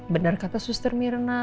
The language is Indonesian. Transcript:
benar kata suster mirna